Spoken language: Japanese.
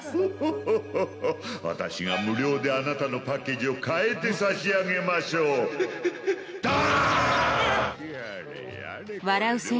私が無料であなたのパッケージを変えてさし上げましょう。